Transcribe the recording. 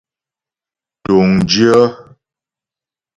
Mtuŋdyə́.